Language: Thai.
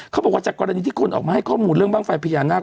เขาบอกว่าจากกรณีที่คนออกมาให้ข้อมูลเรื่องบ้างไฟพญานาค